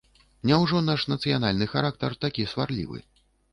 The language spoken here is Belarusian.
Няўжо наш нацыянальны характар такі сварлівы?